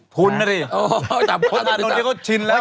คุณน่ะดิอ๋อถามพฤษฐานนทร์หรือถาม